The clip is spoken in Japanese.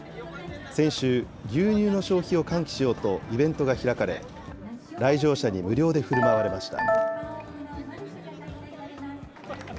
先週、牛乳の消費を喚起しようとイベントが開かれ、来場者に無料でふるまわれました。